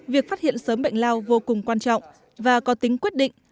việc phát hiện sớm bệnh lao vô cùng quan trọng và có tính quyết định